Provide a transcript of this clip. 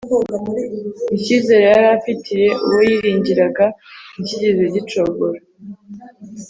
icyizere yari afitiye uwo yiringiraga nticyigeze gicogora